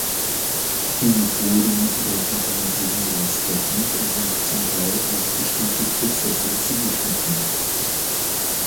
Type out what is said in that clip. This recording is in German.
Die Methoden der Automatisierungstechnik sind zum Teil auf bestimmte Prozesse zugeschnitten.